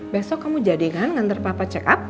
besok kamu jadi kan ngantar papa check up